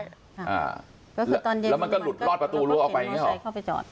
แล้วมันก็หลุดลอดประตูรถออกไปเนี่ยหรอ